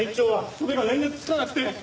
それが連絡つかなくて。